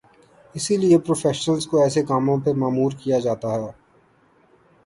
اسی لیے پروفیشنلز کو ایسے کاموں پہ مامور کیا جاتا ہے۔